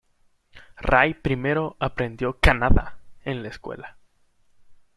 Rai primero aprendió Kannada en la escuela.